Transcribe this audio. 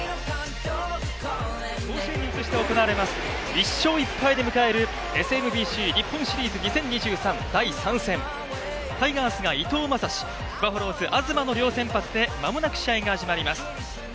１勝１敗で迎えるＳＭＢＣ日本シリーズ２０２３、第３戦タイガースが伊藤将司、バファローズ東の両先発でまもなく試合が始まります。